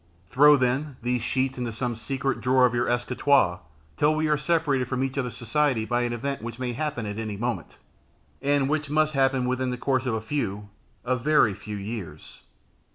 Throw, then, these sheets into some secret drawer of your escritoire till we are separated from each other's society by an event which may happen at any moment, and which must happen within the course of a few a very few years.